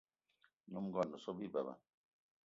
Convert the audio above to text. Nyom ngón o so bi beba.